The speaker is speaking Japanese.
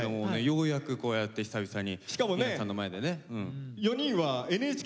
ようやくこうやって久々に皆さんの前でね。